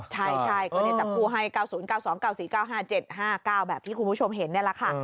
ใช่ก็เนี่ยจะปูให้๙๐๙๒๔๙๕๗๕๙แบบที่คุณผู้ชมเห็นเนี่ยแหละค่ะ